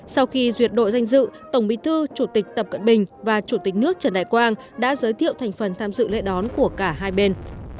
sau khi duyệt đội danh dự tổng bí thư chủ tịch tập cận bình và chủ tịch nước trần đại quang đã giới thiệu thành phần tham dự lễ đón của cả hai bên